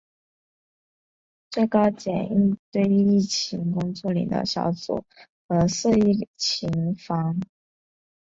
最高检应对疫情工作领导小组和涉疫情防控检察业务领导小组召开专题会议